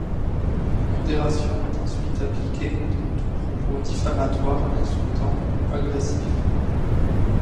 Une modération est ensuite appliquée contre tous propos diffamatoires, insultants ou agressifs.